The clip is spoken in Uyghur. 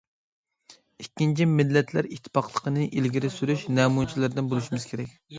ئىككىنچى، مىللەتلەر ئىتتىپاقلىقىنى ئىلگىرى سۈرۈش نەمۇنىچىلىرىدىن بولۇشىمىز كېرەك.